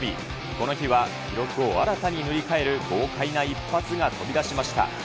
この日は記録を新たに塗り替える豪快な一発が飛び出しました。